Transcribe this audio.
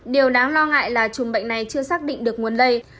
điều đáng lo ngại là chùm bệnh này chưa xác định được nguồn lây